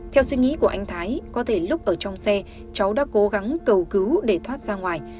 theo suy nghĩ của anh thái có thể lúc ở trong xe cháu đã cố gắng cầu cứu để thoát ra ngoài